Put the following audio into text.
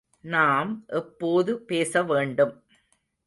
நாம் எப்போது பேச வேண்டும்?